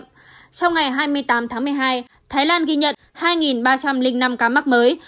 trong ngày hai mươi tám tháng một mươi hai thái lan ghi nhận hai ba trăm linh năm ca mắc mới